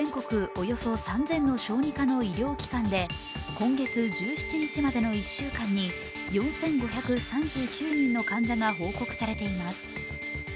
およそ３０００の小児科の医療機関で今月１７日までの１週間に４５３９人の患者が報告されています。